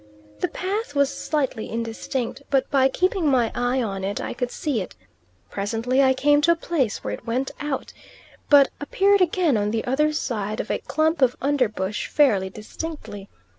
The path was slightly indistinct, but by keeping my eye on it I could see it. Presently I came to a place where it went out, but appeared again on the other side of a clump of underbush fairly distinctly.